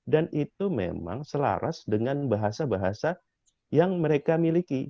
dan itu memang selaras dengan bahasa bahasa yang mereka miliki